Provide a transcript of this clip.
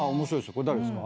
これ誰ですか？